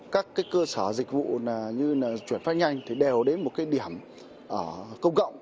các cơ sở dịch vụ như là chuyển phát nhanh thì đều đến một cái điểm ở công cộng